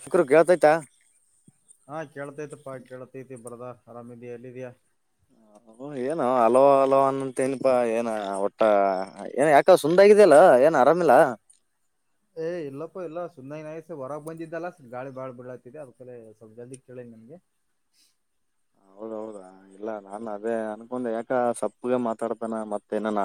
ಶುಕರು ಕೇಳ್ತೈ್ತಾ [unintelligible] ಹಾ ಕೇಳ್ತೈತಿ ಪಾ ಕೇಳ್ತೈತಿ ಬರ್ದ ಆರಾಮಿದೀ ಎಲ್ಲಿದಯ ಏನ ಹಲೋ ಹಲೋ ಅನ್ನಂತ ಏನಪಾ ಏನ ಒಟ್ಟ ಏ ಯಾಕ ಸುಂದ್ಗಿದಲ್ಲ ಏನ್ ಅರ ಆಿಲ್ಲ [unintelligible] [unintelligible] ಏ್ ಇಲ್ಲಪ್ಪಾ ಎಲ್ಲ ಸುಮ್ಮನೈನಸ ಹೊರಗೆ ಬಂದಿದ್ದಲ್ಲ ಗಾಳಿ ಬಾಳ ಬಿಡಾತ ಅದಕ ಸ್ವಲ್ ಜಲ್ದಿ ಕೇಳ [unintelligible] ಹೌದೌದಾ ಇಲ್ಲ ನಾನ್ ಅದೇ ಅನ್ಕೊಂಡ ಯಾಕ ಸಪ್ಪಗ ಮಾತಾಡ್ತೇನ ಮತ್ತೇನಾನ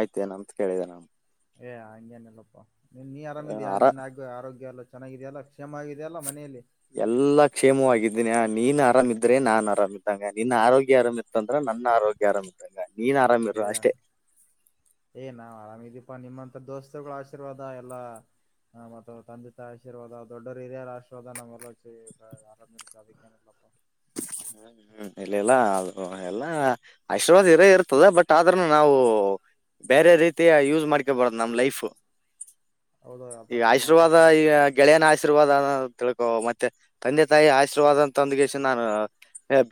ಆಯ್ತೇ ನಮತ್ ಕೇಳಿದೆ ನಾ [unintelligible] ಏ ಹಂಗೇನಿಲ್ಲಪ್ಪಾ ನೀನ್ ನೀ ಆರಾಮಿದ್ಯಾಾ ಆರ ನಿನ್ ಆಗ ಆರೋಗ್ಯ ಎಲ್ಲ ಚೆನ್ನಾಗಿದೆಯಲ್ಲ ಕ್ಷಮ ಆಗಿದೆಯ ಅಲ್ಲ ಮನೆಯಲ್ಲಿ ಎಲ್ಲಾ ಕ್ಷೇಮವಾಗಿದ್ದೀನಿ ನೀನ್ ಆರಾಮಿದ್ರೆ ನಾನ್ ಆರಾಮ ಇದ್ದಂಗ ನಿನ್ ಆರೋಗ್ಯ ಆರಾಮ್ ಇತ್ತಂದ್ರ ನನ್ನ ಆರೋಗ್ಯ ಆರಾಮಾಗಿದ್ದರೆ ಸಾಕು ಏ ಏ ನಾ್ ಆರಾಮಿದೀಪ ನಿಮ್ಮಂತ [inaudible] ದೋಸ್ತರುಗಳ ಆಶೀರ್ವಾದ ಎಲ್ಲಾ ಹ ಮತ್ತ ತಂದೆ ತಾಯ ಆಶೀರ್ವಾದ ದೊಡ್ಡವರು ಹಿರಿಯರ ಆಶರ್ವಾದ ನಮ್ಮ ಆರಾಮ ಇರ್ತೆ ಅದಕ್ಕೇನಿಲ್ಲ [unintelligible] ಹ್ಮ್ ಹ್ಮ್ ಇಲ್ಲಲ್ಲ ಅ ಎಲ್ಲಾ ಆಶೀರ್ವಾದ ಇರೇ ಇರ್ತದೆ ಬಟ್ ಆದ್ರನು ನಾವು ಬೇರೆ ರೀತಿಯ ಯೂಸ್ ಮಾಡ್ಕೊ ಬರದು ನಮ್ ಲೈಫ್ ಹೌದು ಅದು ಈಗ ಅದು ಮಾತ್ರ ಆಶೀರ್ವಾದ ಈ ಕರೆದಿರೋದು ಗೆಳೆಯನ ಆಶೀರ್ವಾದ ತಿಳ್ಕೋ ಮತ್ತೆ ಮತ್ತೆ ತಂದೆ ತಾಯಿ ಆಶೀರ್ವಾದ ಅ ತಂದಗಸ ನಾನು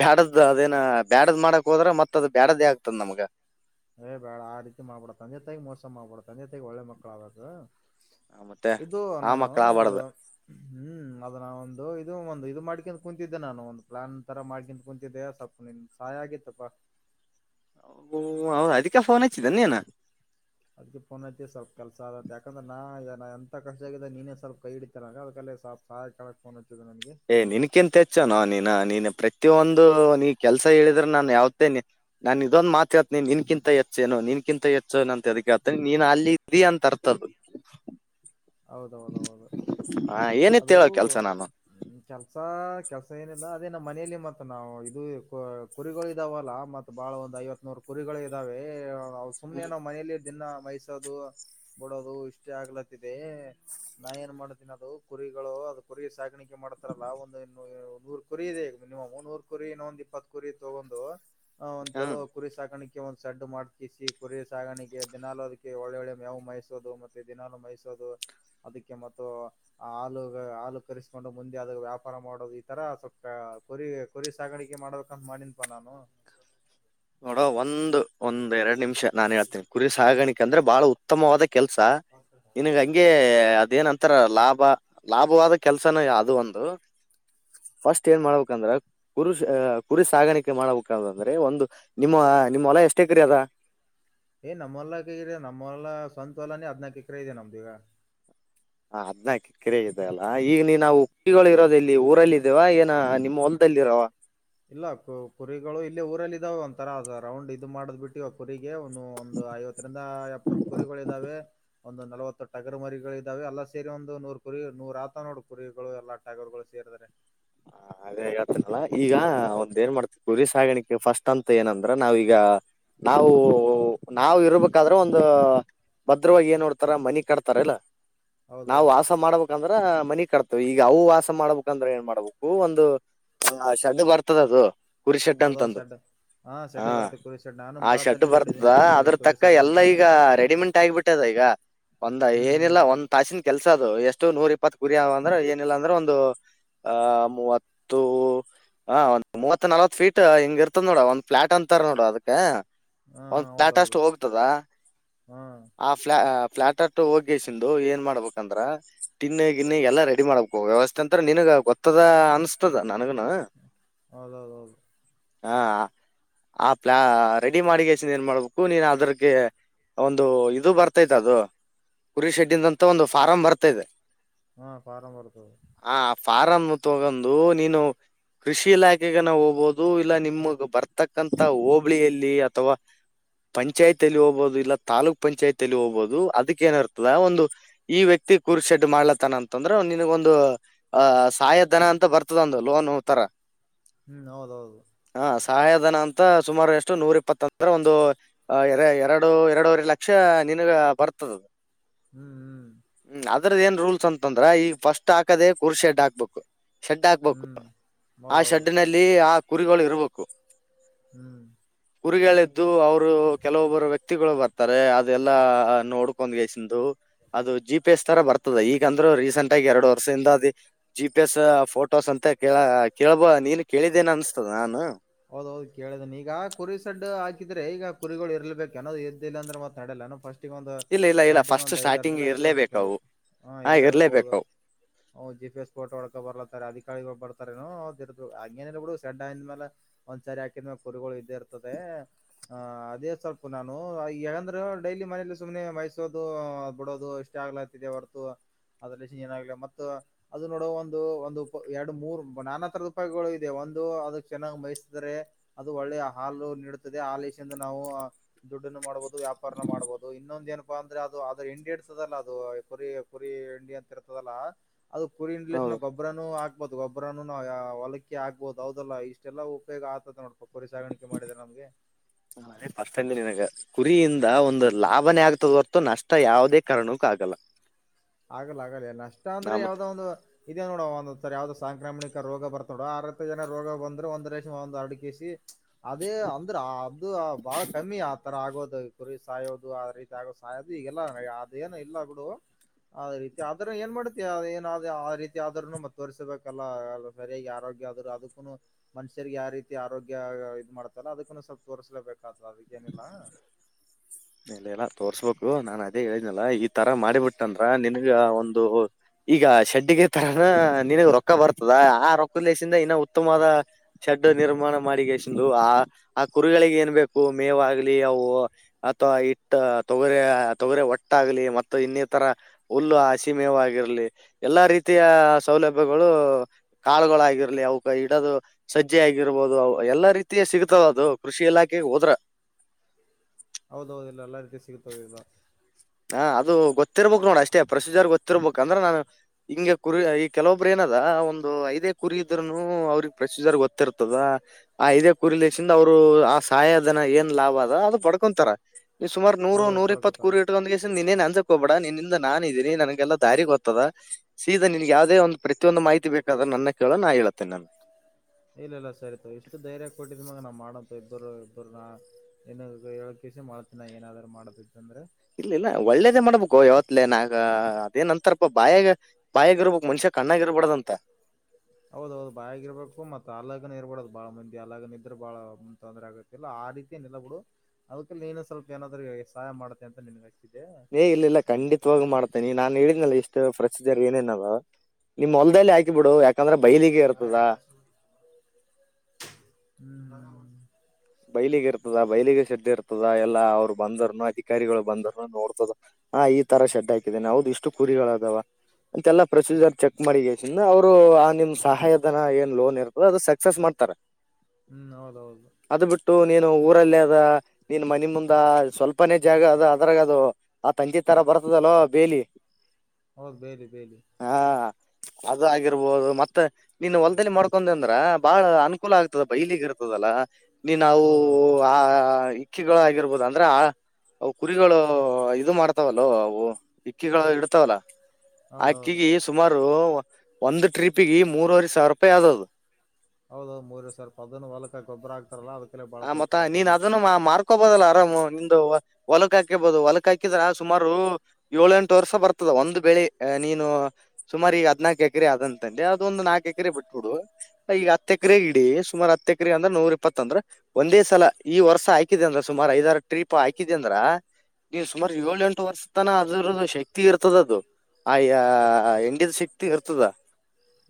ಬ್ಯಾಡದ್ದ ಅದೇನ ಬ್ಯಾಡದ್ ಮಾಡಕ್ ಹೋದ್ರ ಮತ್ತತ್ ಅದ್ ಬ್ಯಾಡ್ದೇ ಆಗ್ತದ ನಮ್ಗ ಏ ಬೇಡ ಆ ರೀತಿ ಮಾಡಬೇಡ ತಂದೆ -ತಾಯಿಗೆ ಮೋಸ ಮಾಡ್ಬೇಡ ತಂದೆ-ತಾಯಿಗೆ ಒಳ್ಳೆ ಮಕ್ಳ ಆಗ್ಬೇಕು ಆ, ಮತ್ತೆ ಇದು ಆ ನಾನು ಮಕ್ಳ ಒಂದು ಆಗ್ಬಾರ್ದು ಹ್ಮ್ ಅದನ್ನ ಒಂದು ಇದು ಒಂದು ಇದು ಮಾಡ್ಕಂತ ಕುೂಂತಿದ್ದೆ ನಾನು ಒಂದು ಪ್ಲಾನ್ ತರ ಮಾಡ್ಕಂತ ಕುಂತಿದ್ದೆ ಸ್ವಲ್ಪ್ ನಿನ್ ಸಹಾಯ ಆಗಿತ್ತಪ್ಪಾ [inaudible] ಓ ಅವ್ ಅದಿಕ್ ಫೋನ್ ಹಚ್ಚಿದ ನೀನ್ ಅದ್ ಪೋನ್ ಐತಿ ಸ್ವಲ್ಪ ಕೆಲಸ ಆತ್ತ ಯಾಕಂದ್ರೆ ಎಂತ ಕಷ್ಟ ಆಗಿದ ನೀನೇ ಸ್ವಲ್ಪ ಕೈ ಹಿಡಿತೆನ ಅದಲ್ಲಿ ಸ್ವಲ್ಪ್ ಸಹಾಯ ಕೇಳಾಕ್ ಬಂದಿನಿ ಏ ನಿನಕೆಂತ ಹೆಚ್ಚ ನಾ ನೀನ ನಿನ್ ಪ್ರತಿಯೊಂದು ನೀ ಕೆಲ್ಸ ಹೇಳಿದ್ರೆ ನಾನ್ ಯಾವ್ದೇನೆ ನಾನ್ ಇದೊಂದು ಮಾತ್ ಕಿಂತ ಹೆಚ್ಚು ನಿನ್ಕಿಂತ ಹೆಚ್ಚುನಂತ ಅದಕ್ಕೆ ಆತ ನೀನ್ ಅಲ್ಲಿ ಇದಿ ಅಂತ ಅರ್ಥದು ಹೌದೌದೌದು ಹ ಏನಿತ್ ಅದು ಹೇಳೋ ಕೆಲ್ಸ ನಾನು ಕೆಲ್ಸ. ಕೆಲಸ ಏನಿಲ್ಲ ಅದೇ ನಮ್ಮ ಮನೆಯಲ್ಲಿ ಮತ್ತ ನಾವು ಇದು ಕುರಿಗಳು ಇದಾವಲ್ಲ ಮತ್ತ ಬಹಳ ಒಂದು ಐವತ್ ನೂರು ಕುರಿಗಳು ಇದ್ದಾವೆ. ಸುಮ್ನೆ ಹ್ಮ್ ನಾವ್ ಮನೇಲಿ ದಿನ ಮೇಸೋದು ಬಿಡೋದು ಇಷ್ಟೇ ಆಗ್ಲತ್ತಿದೆ. ನಾ ಏನ್ ಮಾಡತೀನಿ ಅದು ಕುರಿಗಳು ಅದ ಕುರಿ ಸಾಗಾಣಿಕೆ ಮಾಡ್ತಾರಲ್ಲಾ ಒಂದ್ ನೂರ್ ಕುರಿ ಇದೆ ನೀವು ಮುನ್ನೂರು ಕುರಿ ಇನ್ನ ಒಂದ್ ಇಪ್ಪತ್ತು ಕುರಿ ತೊಗೊಂಡು ಒಂದ್ ಚಲೋ ಹ್ಮ್ ಕುರಿ ಸಾಕಾಣಿ ಒಂದು ಸಡ್ಡು ಮಾಡ್ತಿಸಿ ಕುರಿ ಸಾಗಾಣೆಗೆ ದಿನಾಲೋ ಅದಕ್ಕೆ ಒಳ್ಳೆ ಒಳ್ಳೆ ಮೆವು ಮೇಯಿಸೋದು ಮತ್ತೆ ದಿನಾಲು ಮೇಯಿಸೋದು ಸದು ಅದಕ್ಕೆ ಮತ್ತು ಹಾಲು ಹಾಲು ಕರೆಸ್ಕೊಂಡು ಮುಂದೆ ಅದ ವ್ಯಾಪಾರ ಮಾಡೋದು ಈ ತರ ಸವಲ್ಪ ಕುರಿ ಕುರಿ ಸಾಗಾಣಿಕೆ ಮಾಡ್ಬೇಕಂತ ಮಾಡಿನ್ಪಾ ನಾನು ನೋಡೋ ಒಂದು ಒಂದ್ ಎರಡ್ ನಿಮಿಷ ನಾನ್ ಹೇಳ್ತೀನಿ ಕುರಿ ಸಾಗಾಣಿಕ ಅಂದ್ರೆ ಬಹಳ ಉತ್ತಮವಾದ ಕೆಲ್ಸ ನಿನಗ್ ಹಂಗೆ ಅದೇನಂತಾರ ಲಾಭ ಲಾಭವಾದ ಕೆಲ್ಸನೆ ಅದು ಒಂದು ಫಸ್ಟ್ ಏನ್ ಮಾಡ್ಬೇಕಂದ್ರ ಕುರುಷ ಕುರಿ ಸಾಗಾಣಿಕೆ ಮಾಡ್ಬೇಕಂದ್ರೆ ಒಂದು ನಿಮ್ಮ ನಿಮ್ಮ ಹೊಲ ಎಷ್ಟೇ ಎಕ್ರೆ ಅದ ಏ ನಮ್ಮ ಹೊಲ್ಲಕೆ ಇದೆ ನಮ್ಮ ಹೊಲ್ಲ ಸ್ವಂತ ಹೊಲ್ಲಾನೇ ಹದ್ನಾಕ ಎಕರೆ ಇದೆ ನಮ್ದೀಗ ಹಾದ್ನಕ್ ಎಕ್ರೆ ಇದೆ ಅಲ್ಲಾ ಈಗ ನೀ ನಾವು ಕುರಿಗಳು ಇರೋದು ಎಲ್ಲಿ ಊರಲ್ಲಿ ಇದೇವಾ ಏನ ನಿಮ್ ಹೋಲ್ದ್ ದಲ್ಲಿರ ಇಲ್ಲ ಕು ಕುರಿಗಳು ಇಲ್ಲಿ ಊರಲ್ಲಿ ಇದಾವೆ ಒಂಥರ ರೌಂಡ್ ಇದು ಮಾಡದ್ ಬಿಟ್ಟಿ [unintelligible] ಕುರಿ ಎವನು ಒಂದು ಐವತ್ತರಿಂದ ಎಪ್ಪತ್ ಕುರಿಗಳು ಇದಾವೆ ಒಂದು ನಲವತ್ತು ಟಗರ್ ಮರಿಗಳು ಇದಾವೆ ಎಲ್ಲಾ ಸೇರಿ ಒಂದು ನೂರ್ ಕುರಿ ನೂರ್ ಆತ ನೋಡ್ ಕುರಿ ಗಳು ಎಲ್ಲ ಟಗರ್ಗಳು ಸೇರಿ [inaudible] ಅದೇ ಹೇಳ್ತಿನಲ್ಲ ಈಗ ಒಂದ್ ಏನ್ ಮಾಡ್ತ ಗುರಿ ಸಾಗಾಣಿಕೆ ಫಸ್ಟ್ ಅಂತ ಏನಂದ್ರ ನಾವೀಗ ನಾವು ನಾವು ಇರ್ಬೇಕಾದ್ರೆ ಒಂದು ಭದ್ರವಾಗಿ ಏನ್ ನೋಡ್ತಾರ ಮನಿ ಕಡ್ತಾರಲ್ಲಾ ನಾವು ಹೌದೌದು ವಾಸ ಮಾಡ್ಬೇಕಂದ್ರ ಮನಿ ಕಟ್ತೇವಿ ಈಗ ಅವು ವಾಸ ಮಾಡ್ಬೇಕಂದ್ರೆ ಏನ್ ಮಾಡ್ಬೇಕು ಹುಂ ಒಂದು ಶೆಡ್ ಬರ್ತದ ಅದು ಕುರಿ ಶೆಡ್ ಹೌದೌದು ಅಂತಂದು ಶೆಡ್ ಹಾ ಶೆಡ್ಡಿ ಬರುತ್ತೆ ಕುರಿ ಶೆಡ್ ನಾನು ಆ ಶಡ್ಡು ಬಳತಲ್ಲಿ ಬರ್ತದ ನೋಡಿದ್ದೀನಿ ಅದು ಕುರಿ ಅದ್ರ ಕುರಿ ತಕ್ಕ ಶೆಡ್ ಎಲ್ಲಾ ಅಂತ ಈಗ ರೆಡಿಮೆಂಟ್ ಆಗಿಬಿಟ್ಟದ ಈಗ ಒಂದ ಹ್ಮ್ ಏನಿಲ್ಲ ಹ್ಮ್ ಒಂದ ತಾಸಿನ ಕೆಲ್ಸ ಅದು ಎಷ್ಟು ನೂರ್ ಇಪ್ಪತ್ ಗುರಿ ಅಂದ್ರೆ ಏನಿಲ್ಲ ಅಂದ್ರೆ ಒಂದು ಅ ಮೂವತ್ತು ಹಾ ಒಂದ್ ಮೂವತ್ ನಲ್ವತ್ ಫೀಟ್ ಹಿಂಗ ಇರ್ತದ್ ನೋಡ ಒಂದ ಫ್ಲಾಟ್ ಅಂತಾರ ನೋಡ ಅದಕ್ಕ ಹಾ ಒಂದ್ ಫ್ಲಾಟ್ ಅಷ್ಟು ಹೌದೌದು ಹೋಗ್ತದ ಹಾ ಆ ಫ್ಲ ಫ್ಲಾಟ್ಟ್ಟ ಹೋಗಿ ಸಿಂದು ಏನ್ ಮಾಡ್ಬೇಕಂದ್ರ ಟಿನ್ನೆ ಗಿನ್ನೆ ಎಲ್ಲಾ ರೆಡಿ ಮಾಡ್ಬೇಕು ವ್ಯವಸ್ಥೆ ಅಂತ್ರ ನನ್ ಗೊತ್ತ [unintelligible] ಹೌದ್ ಹೌದ್ ಹೌದು ಹಾ ಆ ಪ್ಲಾ ರೆಡಿ ಮಾಡಗೆಸನ್ ಏನ್ ಮಾಡ್ಬೇಕು ನೀನ್ ಅದ್ರಗೆ ಒಂದು ಇದು ಬರ್ತೈತೆ ಅದು ಕುರಿ ಶೆಡ್ಡಿಂದಂತ ಒಂದು ಫಾರಂ ಬರ್ತಾಯಿದೆ ಹಾ ಫಾರಂ ಬರ್ತದ ಫಾರಂ ತಗೊಂಡು ನೀನು ಕೃಷಿ ಇಲಾಖೆಗೆನಾಹೋಗ್ಬೋದು ಇಲ್ಲ ನಿಮಗ್ ಬರ್ತಕ್ಕಂತ ಹೋಬಳಿಯಲ್ಲಿ ಅಥವಾ ಪಂಚಾಯತ ಅಲ್ಲಿ ಹೋಗಬಹುದು ಇಲ್ಲ ತಾಲೂಕ್ ಪಂಚಾಯತ್ ಅಲ್ಲಿ ಹೋಗಬಹುದು ಅದಕ್ಕ ಏನರ್ತದ ಒಂದು ಈ ವ್ಯಕ್ತಿ ಕೂರ್ ಶೆಡ್ ಮಾಡ್ಲತನ ಅಂತಂದ್ರೆ ನಿನಗ ಒಂದು ಅಹ ಸಹಾಯ ದನ ಅಂತ ಬರ್ತದ ಒಂದು ಲೋನ್ ತರ ಹ್ಮ್ ಹೌದೌದು ಹಾ ಸಹಾಯಧನ ಅಂತ ಸುಮಾರು ಎಷ್ಟು ನೂರ ಇಪ್ಪತ್ತ ಅಂದ್ರ ಒಂದು ಎರಡು ಎರಡೂವರೆ ಲಕ್ಷ ನಿನಗ ಬರ್ತದದು ಹ್ಮ್ ಹ್ಮ್ ಅದ್ರದ ಏ ರೂಲ್ಸ್ ಅಂದ್ರ ಈಗ ಫಸ್ಟ್ ಹಾಕದೇ ಕುರ್ಡ್ ಹಾಕ್ಬೇಕು ಶೆಡ್ ಹಾಕ್ಬೇಕು ಹ್ಮ್ ಆ ಹೌದೌದು ಶೆಡ್ ನಲ್ಲಿ ಆ ಕುರಿಗಳು ಇರ್ಬೇಕು ಹ್ಮ್ ಕುರುಗಳಗಳದ್ದು ಅವರು ಕೆಲವೊಬ್ಬರು ವ್ಯಕ್ತಿಗಳು ಬರ್ತಾರೆ ಅದೆಲ್ಲಾ ನೋಡ್ಕೊಂಡ್ ಸಂದು ಅದು ಜಿ ಪಿ ಎಸ್ ತರ ಬರ್ತದೆ ಈಗಂದ್ರೂ ರೀಸೆಂಟ್ ಆಗಿ ಎರಡು ವರ್ಷದಿಂದ ಅ ಜಿ ಅಭ್ಯಾಸ ಫೋಟೋಸ್ ಅಂತ ಕೇಳ ಕೇಳಬೋ ನೀನು ಕೇಳಿದ್ದೇನೆ ಅನ್ಸ್ತದ ನಾನು ಹೌದೌದು ಕೇಳಿದನ ಈಗ ಕುರಿ ಸಡ್ ಹಾಕಿದ್ರೆ ಈಗ ಕುರಿಗಳು ಇರ್ಲ್ಬೇಕು ಅನ್ನೋದು ಎದ್ದಿಲ್ಲ ಅಂದ್ರೆತ್ ನಡಲ್ಲ ಫಸ್ಟ್ ಒಂದು ಇಲ್ಲ ಇಲ್ಲ ಇಲ್ಲ ಸ್ಟಾರ್ಟಿಂಗ್ ಫಸ್ಟ್ ಒಂದ್ ಐದ್ರ್ ಸ್ಟಾರ್ಟಿಂಗ್ ದಿನ ಇರ್ಲೇಬೇಕು ಇರ್ಲೇಬೇಕೇನು ಅವು ಹ ಹಾ ಇರ್ಲೇಬೇಕ ಹೋದು ಇರ್ಲೇಬೇಕು ಹ್ ಜಿ ಪಿ ಎಸ್ ಫೋ ಹಡಕ ಬರ್ಲತ ಅಧಿಕಾರಿಿ ಬರ್ತಾರ ಆಂಗೇನ ಬಿಡು ಸೆಡ್ ಅ್ಮಲೆ ಒಂದ್ಸರಿ ಹಾಕಿದ್ಮ್ಯ ಕುರಿಗಳು ಇದ್ದೇ ಇರ್ತದೆ ಆ್ ಅದೇ ಸ್ವಲ್ಪ ನಾನು ಯಕಂದ್ರೆ ಡೈಲಿ ಇಲ್ಲಿ ಮನೇಲಿ ಸುಮ್ನೆ ಮಯಸೋದು ಬಿಡೋದು ಇಷ್ಟ ಆಗ್ಲಾತಿದೆ ಹೊರತು ಅದ್ರ ಏನಾಗಲ ಮ ಮತ್ತು ಅದು ನೋಡುವ ಒಂದು ಒಂದು ಎರಡು ಮೂರ್ ನಾನಾತ್ರರ ರೂಪಾಯಿಗಳು ಇದೆ ದು ಅದಕ್ ಚೆನ್ನಾಗಿ ಮೈ ಅದು ಒಳ್ಳೆ ಹಾಲು ನೀಡುತ್ತದೆ ಹಾಾಲಿಂದ ನಾವು ದುಡ್ಡನ್ನು ಮಾಡಬಹುದು ವ್ಯಾಪಾರನ ಮಾಡಬಹ ಹಬಹದು ಇನ್ನೊಂದ ಏನಪಾ ಅಂದ್ರೆ ಅದು ಅದ್ರೆ ಇಂಡಿ ಇರ್ತದಲ್ಲ ಅದು ಕುರಿ ಕುರಿ ಇಂಡಿ ಅಂತ ಇರ್ತದಲ್ಲ ಅದ ಕುರಿ ಇಂಡಲಸ ನಾ ಹೌದು ಗೊಬ್ರನನು ಹಾಕ್ಬಹದು ಗೊಬರನನು ನಾವು ಹೊಲಕ್ಕಕ್ಕೆ ಹಾಕ್ಬಹದು ಹೌದಲ್ಲ ಇಷ್ಟೆಲ್ಲವು ಕ ಹಾ ಅದೇ ಬರ್ತಾದೀನಿ ನಿನಗ ಕುರಿಯಿಂದ ಒಂದು ಲಾಭನೇ ಆಗ್ತದ ಹೊಥ ನಷ್ಟ ಯಾವುದೇ ಕಾರಣಕ್ಕೂ ಆಗಲ್ಲ ಆಗಲ್ಲ ಆಗಲ್ಲ ನಷ್ಟ ನಾ ಅಂದ್ರೆ ಮತ್ತೆ ಯಾವ್ದೋ ಒಂದು ಇದದೆ ನೋಡ ಒಂದರ ಯಾವ್ದ ಸಾಂಕ್ರಾಮಿಕ ರೋಗ ಬರ್ತಾ ಆರ್ ಹತ್ತು ಜನ ರೋಗ ಬಂದ್ರೆ ಒಂದಂದು ಲಕ್ಷ ಒಂದ್ ಎರಡು ಕೆ ಸಿ ಅದೇ ಅಂದ್ರ ಅದದು ಬಾಳ ಕಮ್ಮಿ ಆತರ ಆಗೋದ ಕುರಿ ಸಾಯೋದು ಅ ರೀತಿ ಆಗೋದು ಸಾಯೋದು ಈಗೆಲ್ಲ ಅದೇನ ಇಲ್ಲ ಗುಡು ಅ ರೀತಿ ಆದದ್ರ ಏನ್ ಮಾಡತಿ ಅ ಏನಾದ ಆ ರೀತಿ ಆದ್ರರುನು ಮ ತೋರ್ಸಬೇಕಲ್ಲ ಸರಿಯಾಗಿ ಆರೋಗ್ಯ ಅದಕ್ಕೂನು ಮನುಷ್ಯರಿಗೆ ಯಾವ ರೀತಿ ಆರೋಗ್ಯ ಇದು ಮಾಡ್ತಲ್ಲ ಅದಕ್ಕೂ ಸ್ವಲ್ಪ ತೋರಿಸಲೇಬೇಕಾದದು ಅದಕ್ಕೆ ಲ್ಲ ಇಲ್ಲ ಎಲ್ಲ ತೋರ್ಸ್ಬೇಕು ನಾನ್ ಅದೇ ಹೇಳಿದ್ನಲ್ಲ ಈ ತರ ಮಾಡಿಬಿಟ್ಟಂದ್ರ ನಿನ್ಗ ಒಂದು ಈಗ ಶಡ್ಡಿಗೆ ತರಾನ ನಿನಗ ರೊಕ್ಕ ಬರ್ತದ ಆ ರೊಕ್ಕದ ಲೇಸಿಂದ ಇನ್ನ ಉತ್ತಮವಾದಡ್ ದಡ್ಡು ನಿರ್ಮಾಣ ಮಾಡಿಗೆಂದು ಆ ಆ ಕುರುಗಳಿಗೆ ಏನ್ಬೇಕೇಕು ಮೇವಾಗ್ಲಿ ಅವು ಅಥವಾ ಇಟ್ಟ ತೊಗರೆ ತೊಗರೆ ಒಟ್ಟಾಗಲಿ ಮತ್ತ ಇನ್ನಿತರ ಹುಲ್ಲು ಹಸಿಮೇವಾಗಿ ಎಲ್ಲಾ ರೀತಿಯ ಸೌಲಭ್ಯಗಳು ಕಾಳಗಳಾಗಿರಲಿ ಅ ಇಡದು ಸಜ್ಜೆ ಆಗಿರ್ಬಹದು ಎಲ್ಲಾ ರೀತಿಯ ಸಿಗ್ತಾವ ಅದು ಕೃಷಿ ಇಲಾಖೆಗೆ ಹೋದ್ರ ಹ ಹೌದ ಹೌದಲ್ಲ ಎಲ್ಲ ರೀತಿ ಸಿಗತ ಇಲ್ಲ ಹಾ ಅದು ಗೊತ್ತಿರ್ಬೇಕಕ್ ನೋಡ ಅಷ್ಟೇ ಪ್ರೊಸೀಜರ್ ಗೊತ್ತಿರ್ಬೇಕು ಅಂದ್ರೆ ನಾನನ್ ಹಿಂಗ ಕುರಿ ಈ ಕೆಲವೊಬ್ರು ಏನದ ಒಂದು ಐದೇ ಕುರಿ ಇದರುನು ಅವ್ರಿಗೆ ಪ್ರೊಸೀಜರ್ ಗೊತ್ತಿರ್ತದ ಆ ಐದೇ ಕುರಿ ಲಿಂದ ಅವ್ರು ಆ ಸಹಾಯದನ ಏನ್ ಲಾಭ ಅದ ಅದು ಪಡ್ಕೊಂತಾರ ಈ ಸುಮಾರು ನೂರು ಹೌದೌದು ನೂರ ಇಪ್ಪತ್ತು ಪಡ್ಕೋತಾರ ಕರಿ ನೀನ್ನೇನ್ ಅನ್ಸಕ್ ಹ್ಬೇಡ ನಿನ್ನಿಂದ ನಾನ ಇದೀನಿ ನನ್ಗೆಲ್ಲ ದಾರಿಗೆ ಗೊತ್ತದ ಸೀ ನಿನ್ ಯಾವವುದೇ ಒಂದು ಪ್ರತಿಯೊಂದು ಮಾಹಿತಿ ಬೇಕಾದ ನನ್ನ ಕೇಳೋ ನಾ ಹೇಳಳತ್ತೇನೆ ನಾನು ಇಲ್ಲ ಇಲ್ಲ ಸರಿತ ಇಷ್ಟು ಧೈರ್ಯ ಕೊಟ್ಟಿದ ಮಾಗ ನಾವ್ ಮಾಡಂತ ಇಬ್ಬರು ಇಬ್ಬರು ನ ಏ ಮಾಡತಿನಾ ಏನಾದ್ರು ಮಾಡದ ಅಂದ್ರೆ ಇಲ್ಲ ಇಲ್ಲ ಒಳ್ಳೇದೇ ಮಾಡ್ಬೇಕು ಯಾವತ್ಲೆ ನಾಗ ಅದೇನಂತರಪ್ಪ ಬಾಯಾಗ ಬಾಯಗ ಇರ್ಬೇಕಕ್ ಮನುಷ್ಯ ಕ್ಣಾಗಿ ಇರ್ಬಡದಂತ [unintelligible] ಹೌದೌದು ಬಾಗ ಇರ್ಬೇಕು ಮತ್ ಅಲ್ಲಗನ್ ಇರ್ಬಡದು ಬಾಳ ಮಂದಿ ಅಲ್ಲಗನ ಇದ್ರೆ ಬಾಳಂದ ತೊಂದರೆ ಆಗತ್ತಿಲ್ಲ ಆ ರೀತಿ ನೆ ಬಿಡು ಅದಕ್ಕೆಲ್ಲಿ ನೀನು ಸ್ವಲ್ಪ ಏನಾದ್ೂ ಸಹಾಯ ಮಾಡುತ್ತತೆ ಅಂತನ್ ಇಲ್ಲ ಇಲ್ಲ ಖಂಡಿತವವಾಗಿ ಮಾಡ್ತೇನೆಿ ನಾನ್ ಹಿನಲ್ಲ ಇಷ್ಟ ಪ್ರಸರ್ ಏನೇನವ ನಿಮ್ಮ ಹೊಲದೇ ಹಾಕಿ ಬಿಡು ಯಾ ಯಾಕಂದ್ರೆ ಬೈಲಿಗೆ ಇರ್ತದಾ ಹ್ಮ್ ಬರ ಬೈಲಿಗೆ ಇರ್ತದ ಬೈಲಿಗೆ ಶದ್ದೆ ಇರ್ತದೆ ಎಲ್ಲ ಅವ್ರು ಬಂದರುನು ಅಧಿಕಾರಿಗಳು ಬಂದರು ನೋಡ್ತದ ಹ ಈ ತರ ಶೆಡ್ ಹಾಕಿದ್ದೇನೆ ಹೌದು ಇಷ್ಟು ಕುರಿ ಚಳದಾವ [unintelligible] ಅಂತೆಲ್ಲಾ ಪ್ರೊಸೀಜರ್ ಚೆಕ್ ಮಾಡಿಗ ಅವ್ರು ಆ ನಿಮ್ ಸಹಾಯದನ ಏನ್ ಲೋನ್ ಇರ್ತದ ಅದು ಸಕ್ಸಸ್ ಮಾಡ್ ಹಂತಾರೆ ಹ್ಮ್ ಹೌದೌದು ಅದ್ ಬಿಟ್ಟು ನೀನು ಊರಲ್ಲಿ ಅದ ನೀನ್ ಮನ ಮುಂದ ಸ್ವಲ್ಪನೇ ಜಾಗ ಅದ ಅದ್ರಾಗ ಅದು ಆ ತಂಜಿ ತರ ಬರ್ತದಲ್ಲೋ ಬೇಲಿ ಹೌದ ಬೇಲಿ ಬೇಲಿ ಅದ ಆಗಿರ್ಬೋದು ಮತ್ತೆ ನೀನ್ ಹೊಲ್ದಲ್ಲಿ ಮಾಡ್ಕೊಂಡ ಅಂದ್ರ ಬಾಳ ಅನುಕೂಲ ಆಗ್ತದ ಬೈಲಿಗೆಿರ್ತ್ತದೆ ಲ್ಲ ನೀ ನಾವು ಹೌದೌದು ಆ ಇಕ್ಕಿಗಳ ಆಗಿರ್ಬೋದ ಅಂದ್ರೆ ಆ ಅವು ಕುರಿಗಳು ಇದು ಮಾಡ್ತಾವಲ್ಲೋ ಅವು ಇಕ್ಕಿಗಳು ಇಡ್ತಾವಲ್ಲ ಹೌದೌದು ಅಕಿಗೆ ಸುಮಾರು ಒಂದು ಟ್ರಿಪಿಗೆ ಮೂರವರೆ ಸಾವಿರ ರೂಪಾಯಿ ಆದದು ಹೌದೌದು ಮೂರ ಸರ್ಪ ಅದನ್ನು ಹೊಲ್ಕ ಗೊಬ್ಬರ ಆಗ್ತಾರಲ್ಲ ಅದಕ್ಕಲ್ಲೇ ಬಾಳ ತೋ್ತಾರೆ ಅದನ್ನು ಹಾಕೋಬಹುದಲ್ಲಾ ಆರಾಮ್ ನಿಮ್ದ ಹೊಲಕ್ ಹಾಕೇಬಹುದು ಹೊಲಕ್ ಹಾಕಿದ್ರ ಸುಮಾರು ಏಳ ಎಂಟು ವರ್ಷ ಬರ್ತದೆ ಒಂದು ಬೆಳೆ ನೀನು ಸುಮಾರು ಈಗ ಹದ್ನಾಕು ಎಕರೆ ಆದಂತಂದೆ ಅದ ಒಂದು ನಾಲ್ಕು ಎಕರೆ ಬಿಟ್ಬುಡು ಈಗ ಹತ್ತ ಎಕ್ರ ಇಡಿ ಸುಮಾರು ಹತ್ತ ಎಕ್ರ ಅಂದ್ರ ನೂರ್ ಇಪ್ಪತ್ತ ಅಂದ್ರ ಒಂದೇ ಸಲ ಈ ವರ್ಷ ಹಾಕಿದ ಅಂದ್ರ ಸುಮಾರು ಐದಾರು ಟ್ರಿಪ್ ಹಾಕಿದ ಅಂದ್ರ ನೀವು್ ಸುಮಾರು ಏಳ ಎಂಟು ವರ್ಷದ ತನ ಅದರದ್ದ ಶಕ್ತಿ ಇರ್ತದ ಅದು ಅಯ್ಯ ಹೆಂಡಿದ ಸಿಕ್ತಿ ಇರ್ತದ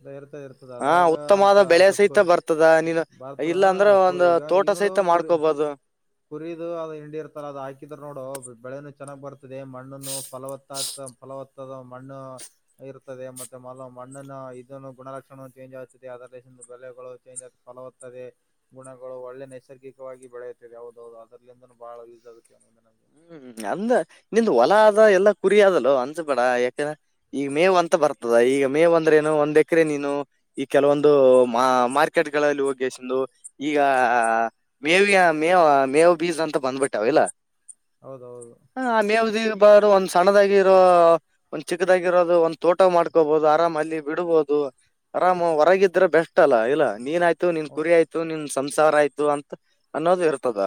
ಇ ಇರ್ತದ ಇರ್ತದ ಆ ಅದ್ರಾಗ ಅಂತ ಉತ್ತಮವಾದ ಬೆಳೆ ಅಂತ ಸಹಿತ ಬರ್ತದ ನೀನು ಬರ್ತದ ಇಲ್ಲ ಅಂದ್ರ ಒಂದು ಈಗ ತೋಟ ಈಗ ನೋಡು ಸಹಿತ ಕುರಿ ಮಾಡ್ಕೋಬಹುದು ಕುರದು ಅದು ಹಿಂಡಿ ಇರ್ತಲ್ಲ ಅದು ಹಾಕಿದ್ರ ನೋಡು ಬೆಳೆ ಚೆನ್ನಾಗ್ ಬರ್ತದೆ ಮಣ್ಣನ್ನು ಫಲವತ್ತ ಫಲವತ್ತದ ಮಣ್ಣು ಇರ್ತದೆ ಮತ್ತೆ ಮಲ ಮಣ್ಣನ ಗುಣಲಕ್ಷಣ ಚೇಂಜ್ ಆಗುತ್ತದೆ ಅದರ ಬೆಳಗಳು ಚೇಂಜ್ ಲುತ್ತದೆ ಗುಣಗಳು ಒಳ್ಳೆ ನೆ ನೈಸರ್ಗಿಕವಾಗಿ ಬೆಳೆಯತದೆ ಯಾವದದು ಅದರ್ಲಿಂದನೂ ಬಹಳ ಯೂಸ್ ಆಗುತ್ತೆ ಅವನಂದ ನನಗೆ ಹ್ಮ್ ಅಂದ ನಿಂದ ಹೊಲ ಆದದ ಎಲ್ಲಾ ಕುರಿದಲ್ಲ ಅನ್ಸ ಬೇ ಯಾಕಂದ್ರ ಈಗ ಮೇವ್ ಅಂತ ಬರ್ತದ ಈ ಈಗ ಮೇ ಒಂದ್ರೇನು ಒಂದ್ ಎಕರೆ ನೀನು ಈ ಕೆಲವೊಂದು ಮಾರ್ಕೆಟ್ಗಳಲ್ಲಿ ಹೋಗಸಂದು ಈಗ ಮೇವಿಯ ಮೇವ ಮೇವ ಬೀಜ ಅಂತ ಬಂದ್ಬಿಟ್ಟಾವ ಇಲ್ಲ ಹೌದೌದು ಹ ಆಮೆಾವ್ದಿ ಬಾರ ಒಂದ್ ಸಣ್ಣದಾಗಿರೋ ಒಂದ್ ಚಿಕ್ಕದಾಗಿರೋದು ಒಂದ್ ತೋಟ ಮಾಡ್ಕೋಬಹದು ಆರಾಮಲ್ಲಿ ಬಿಡ್ಬಹದು ಆರಾಮ ಹೊರಗಿದ್ರೆ ಬೆಸ್ಟ್ ಅಲ್ಲ ಇಲ್ಲಾ ನೀನ್ ಆಯ್ತ ್ ನಿನ್ ಹ ಕುರಿ ಆಯ್ತು ನಿನ್ ಸಂಸಾರ ಆಯ್ತು ಅಂತ ಅನ್ನೋದು ಇರ್ತದ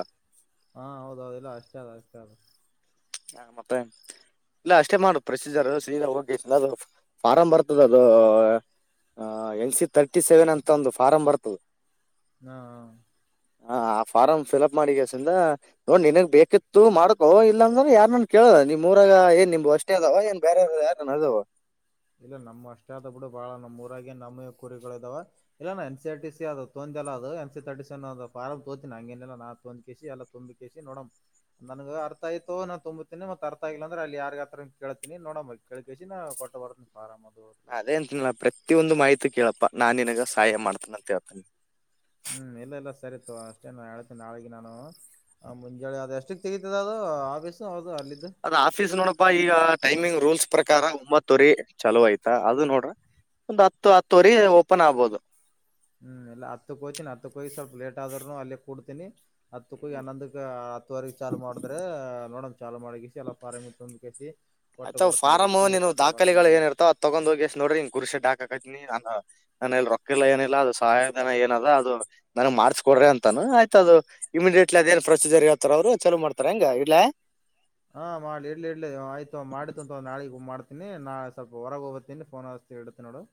ಹಾ ಹೌದೌದುಲ್ಲ ಅಷ್ಟೇ ಅದ ಆಗ್ತ ಅ ಹ ಮತ್ತೆ ಇಲ್ಲ ಅಷ್ಟೇ ಮಾಡುದು ಪ್ರೊಸೀಜರ್ ಅ ಸೀ ಹೋಗಿ ಅದು ಫಾರಂ್ ಬರ್ತದ ಅದು ಹ ಎನ್ ಸಿ ತರ್ಟಿ ಸೆವೆನ್ ಅಂತ ಒಂದು ಫಾರಂ್ ಬರ್ತದೆ ಹಾ ಹ ಆ ಫಾರ್ಮ್ ಫಿಲ್ಅಪ್ ಮಾಡಿಸಿಂದ ನೋ ನಿನಗ್ ಬೇಕಿತ್ತು ಮಾಡ್ಕೊ ಇಲ್ಲ ಅಂದ್ರ ಯಾರ ನಾನನ್ ಕೇಳ ನೀವು್ರಾಗ ಏನ್ ನಿಮ್ ಅಷ್ಟೇ ಅದವ ಏನ್ ಬೇರೆ ಯಾರನ್ ಅದವ ಇಲ್ಲ ನಮ್ಮ್ ಅಷ್ಟೇ ಆದ ಬಿಡು ಬಾಳ ನಮ್ಮ್ ಊರಾಗ ನಮ ಕುರಿಗಳು ಇದಾವ ಇಲ್ಲ ನ ಎನ್ ಸಿ ಆರ್ಟ ಸಿ ಅೊ ಲ್ಲ ಅದು ಎನ್ ಸಿ ತರ್ಟ ಸನ್ ಒ ಾರ್ ತೋತಿನಿ ಹಂಗೇನೆಲ್ಲ ನಾ ತಂದ್ ಕಸಿ ಎಲ್ಲ ತುಂಬಿ ಕಿ ನೋಡ ನನ್ಗಾ ಅರ್ಥ ಆಯ್ತು ನಾನ್ ತುಂಬ್ತಿನಿ ಮತ್ತ್ ಅರ್ಥ ಆಗ್ಲಿಲ್ಲ ಅಂದ್ರೆ ಅಲ್ಲಿ ಯಾರಿಗಾದ್ರು ಹತ್ರ ಕೇಳ್ತಿನಿ ನೋಡ ಮ ಕೇಳ್ ಕಿ ಸಿನ ಕೊಟ್ಟ್ ಬಾರ ಅದೇಅಂತಿನ ಪ್ರತ್ತಿಯೊಂದು ಮಾಹಿತಿ ಕೇಳಪ್ಪ ನಾನು ನಿನ್ಗ ಸಹಾಯ ಮಾಡ್ತೇನ ಅಂತ ಹೇಳ್ತ ಹ್ಮು ಎಲ್ಲೆಲ್ಲ ಸರಿ ತಗೊ ಅಷ್ಟೇ ನಾ ಹೇಳ್ತೀನಿ ನಾಳಿಗೆ ನಾನು ಆ ಮುಂಜಳೆ ಅದು ಎಷ್ಟುಕ್ ತೆಗತದ ಅದು ಆಫೀಸ್ ಅದು ಆಫೀಸ್ ನೋಡಪ್ಪ ಈಗ ಟೈಮಿಂಗ್ ರೂಲ್ಸ್ ಪ್ರಕಾರ ಒಂಬತ್ತುವರಿ ಚಲುವ್ ಆಯ್ತಾ ಅದು ನೋಡ್ರಿ ಒಂದ್ ಹತ್ತು ಹತ್ತುವರಿ ಓಪನ್ ಆಗ್ಬೋದು ಹ್ಮು ಎಲ್ಲ ಹತ್ತುಕ್ಕೋಯ್ತೀನಿ ಹತ್ತುಕ್ಕೋಗಿ ಸ್ವಲ್ಪ ಲೇಟ್ ಆದ್ರುನು ಅಲ್ಲೇ ಕುಡ್ತಿನಿ ಹತ್ತುಕ್ಕೋಗಿ ಹನ್ನೊಂದಕ್ಕೇ ಹತ್ತುವರೆಗೆ ಚಾಲು ಮಾಡಿದ್ರೇ ನೋಡನ್ ಚಾಲು ಮಾಡೆಗಿಸಿ ಎಲ್ಲ ಫಾರ್ಮಿಗೆ ತಂದು ಕಿಸಿ ಅಚ್ಚ ಫಾರಮ್ ಅವ ನಿನ್ನವು ದಾಖಲೆಗಳು ನಾಳಿಗೆ ಏನುಇರ್ತವ ಅದ್ ತಗೊಂಡ್ಒಗಿಸಿ ನೋಡ್ರಿ ಇಂಗ ಗುರ್ಷಿ ಟಕ್ ಹೇಳ್ತಿನಿ ಅನ್ನು ನಾನ್ನಲ್ಲಿ ರೊಕ್ಕಿಲ್ಲ ಏನಿಲ್ಲ ಅದು ಸಹಾಯಧನ ಏನದ ಅದು ನನಗ್ ಮಾಡ್ಸ್ ಕೊಡ್ರಿ ಅಂತಅನ್ನು ಆಯ್ತ ಅದು ಇಮಿಡಿಯೇಟ್ಲಿ ಅದೇನ್ ಪ್ರೊಸೀಜರ್ ಹೇಳ್ತಾರ ಅವ್ರು ಚಲೋ ಮಾಡ್ತಾರ್ ಹೆಂಗೆ ಇಡ್ಲಾ ಹಾ ಮಾಡ್ಲಿ್ ಇಡ್ಲಿ ಇಡ್ಲಿ ಆಯ್ತು ತೊ ಮಾಡ್ತಿತೊ ನಾಳಗ್ ಮಾಡ್ತಿನಿ ನಾ ಸ್ವಲ್ಪ ಹೊರಗ್ ಹೋಗಬತ್ತಿನಿ ಫೋನ ಹ ತ್ತಡುತ್ ನೋಡು